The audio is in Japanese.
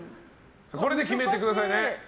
これで決めてくださいね。